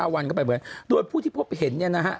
วันเข้าไปโดยผู้ที่พบเห็นเนี่ยนะฮะ